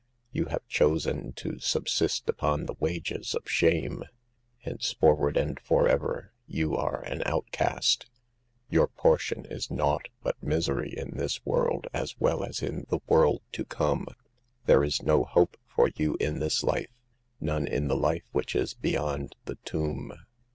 You have chosen to sub sist upon the wages of shame. Henceforward and for ever you are an outcast, your portion is naught but misery in this world as well as in the world to come. There is no hope for you in this life, none in the life which is beyond the tomb."